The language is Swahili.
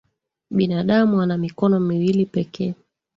Binadamu ana mikono miwili pekee